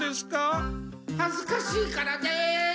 はずかしいからです！